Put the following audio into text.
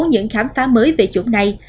những khám phá mối quan hệ của omicron